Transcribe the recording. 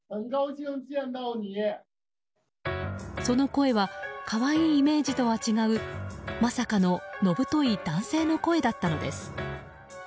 その声は可愛いイメージとは違うまさかの野太い男性の声だったのです。